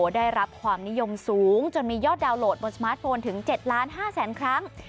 ได้รับความนิยมสูงจนมียอดดาวนโหลดบนสมาร์ทโฟนถึง๗ล้าน๕แสนครั้ง